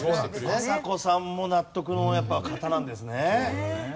政子さんも納得の方なんですね。